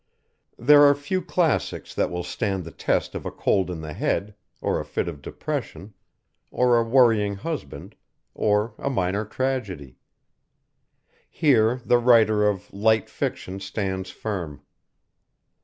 There are few classics that will stand the test of a cold in the head, or a fit of depression, or a worrying husband, or a minor tragedy. Here the writer of "light fiction" stands firm.